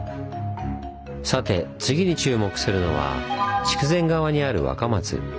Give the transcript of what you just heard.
さて次に注目するのは筑前側にある若松。